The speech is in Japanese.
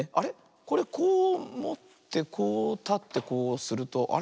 これこうもってこうたってこうするとあれ？